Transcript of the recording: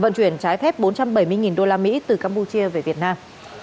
vận chuyển trái phép bốn trăm bảy mươi usd từ campuchia về việt nam